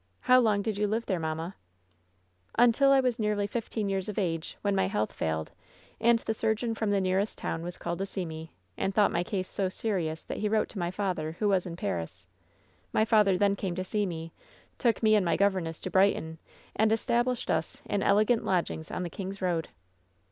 How long did you live there, mamma ?" "Until I was nearly fifteen years of age, when my health failed, and the surgeon from the nearest town was called to see me, and thought my ease so serious that he wrote to my father, who was in Paris. My father then came to see me, took me and my governess to Brighton, and established us in elegant lodgings on the King's Eoad."